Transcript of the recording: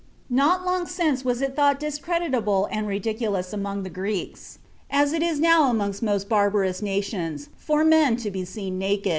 Not long since it was thought discreditable and ridiculous among the Greeks, as it is now among most barbarous nations, for men to be seen naked.